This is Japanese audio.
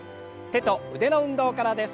手と腕の運動からです。